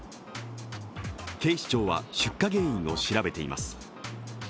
警視庁は出火原因を調べています。